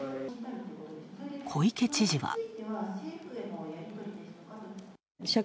小池知事は。